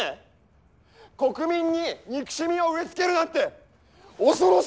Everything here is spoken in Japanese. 国民に憎しみを植え付けるなんて恐ろしいことですよ！